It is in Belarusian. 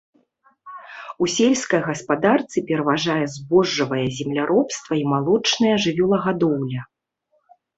У сельскай гаспадарцы пераважае збожжавае земляробства і малочная жывёлагадоўля.